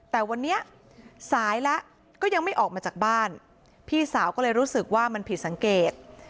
แต่วันนี้สายแล้วก็ยังไม่ออกมาจากบ้านพี่สาวก็เลยรู้สึกว่ามันผิดสังเกต